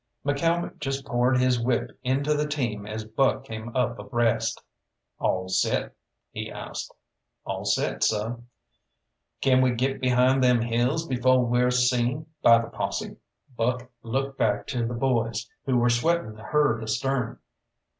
McCalmont just poured his whip into the team as Buck came up abreast. "All set?" he asked. "All set, seh." "Can we get behind them hills befo' we're seen by the posse?" Buck looked back to the boys who were sweating the herd astern.